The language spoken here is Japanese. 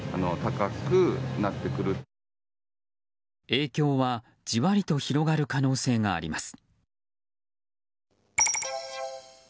影響は、じわりと広がる可能性があります。